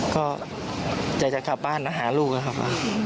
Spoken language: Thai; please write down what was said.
ก็จะจะขับบ้านอาหารลูกนะครับ